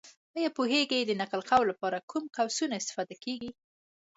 ایا پوهېږې! د نقل قول لپاره کوم قوسونه استفاده کېږي؟